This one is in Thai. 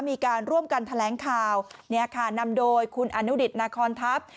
มีการร่วมกันแถลงข่าวเนี่ยค่ะนำโดยคุณอนุดิตนาคอนทัพ